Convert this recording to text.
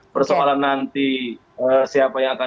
persoalan nanti siapa yang akan